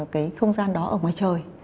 cái không gian đó ở ngoài trời